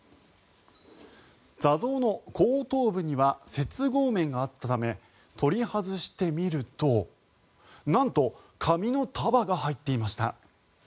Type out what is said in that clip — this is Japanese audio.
坐像の後頭部には接合面があったため取り外してみるとなんと紙の束が入っていました。